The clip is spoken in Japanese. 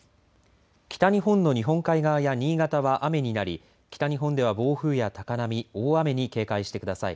北日本の日本海側や新潟は雨になり北日本では暴風や高波大雨に警戒してください。